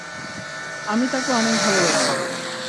আমি তাকে অনেক ভালোবাসি।